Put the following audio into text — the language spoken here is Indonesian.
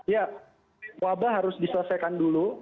ya wabah harus diselesaikan dulu